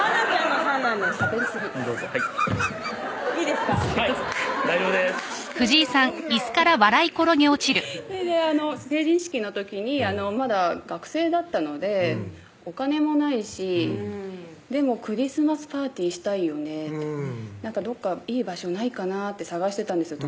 はい大丈夫です先生おもしろいそれで成人式の時にまだ学生だったのでお金もないしでもクリスマスパーティーしたいよねって何かどっかいい場所ないかなって探してたんですよ